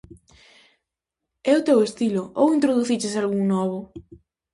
É o teu estilo, ou introduciches algún cambio?